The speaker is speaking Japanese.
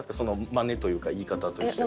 まねというか言い方としては。